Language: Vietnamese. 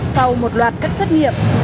sau một loạt cắt xét nghiệm